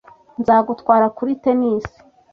Nzagutwara kuri tennis